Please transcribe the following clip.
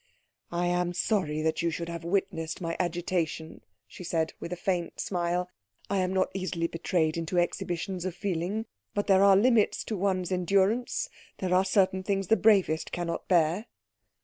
"I am sorry that you should have witnessed my agitation," she said, with a faint smile. "I am not easily betrayed into exhibitions of feeling, but there are limits to one's endurance, there are certain things the bravest cannot bear."